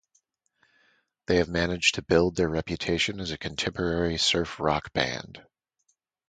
They have managed to build their reputation as a contemporary surf rock band.